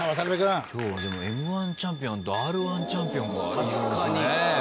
今日はでもＭ−１チャンピオンとＲ−１チャンピオンが。